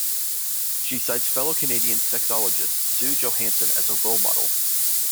She cites fellow Canadian sexologist Sue Johanson as a role model.